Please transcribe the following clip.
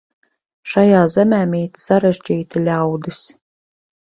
Šajā zemē mīt sarežģīti ļaudis.